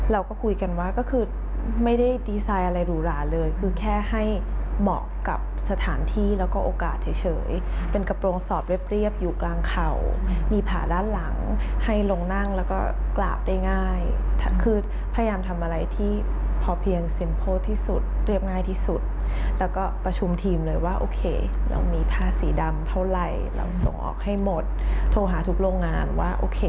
เราก็คุยกันว่าก็คือไม่ได้ดีไซน์อะไรหรูหราเลยคือแค่ให้เหมาะกับสถานที่แล้วก็โอกาสเฉยเป็นกระโปรงสอบเรียบอยู่กลางเข่ามีผ่าด้านหลังให้ลงนั่งแล้วก็กราบได้ง่ายคือพยายามทำอะไรที่พอเพียงเซ็มโพลที่สุดเรียบง่ายที่สุดแล้วก็ประชุมทีมเลยว่าโอเคเรามีผ้าสีดำเท่าไหร่เราส่งออกให้หมดโทรหาทุกโรงงานว่าโอเค